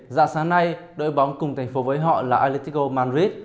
dạng sáng nay đội bóng cùng thành phố với họ là elitigo madrid